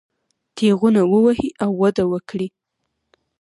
تېغونه ووهي او وده وکړي.